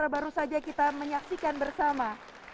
baru saja kita menyaksikan bersama